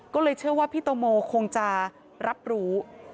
ก็เลยเชื่อว่าพี่ตังโมคงจะรับรู้